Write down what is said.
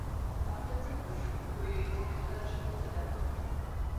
او ته څه پوه يې چې د قدر شپه څه ده؟